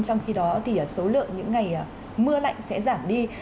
trong khi đó thì số lượng những ngày mưa lạnh sẽ giảm đi